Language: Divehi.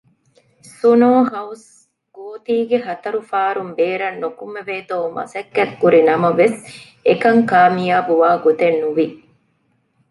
ސުނޯހައުސް ގޯތީގެ ހަތަރު ފާރުން ބޭރަށް ނުކުމެވޭތޯ މަސައްކަތްކުރި ނަމަވެސް އެކަން ކާމިޔާބުވާ ގޮތެއް ނުވި